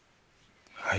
はい？